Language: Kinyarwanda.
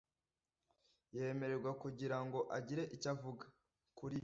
Yemererwa kugira ngo agire icyo avuga kuri